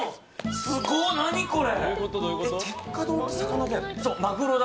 すごっ、何これ！